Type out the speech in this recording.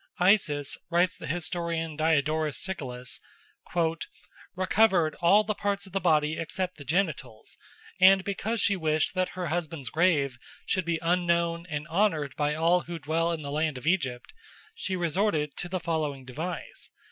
"Isis," writes the historian Diodorus Siculus, "recovered all the parts of the body except the genitals; and because she wished that her husband's grave should be unknown and honoured by all who dwell in the land of Egypt, she resorted to the following device.